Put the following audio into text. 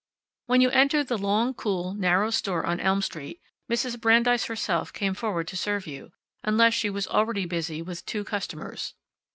When you entered the long, cool, narrow store on Elm Street, Mrs. Brandeis herself came forward to serve you, unless she already was busy with two customers.